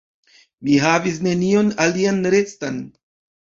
Mi havis nenion alian restan.